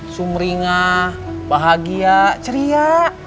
semeringah bahagia ceria